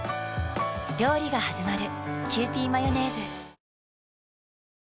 料理がはじまる。